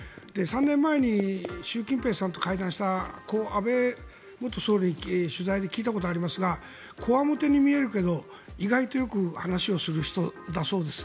３年前に習近平さんと会談をした安倍元総理に聞いたことがありますがこわもてに見えるけど意外とよく話をする人だそうです。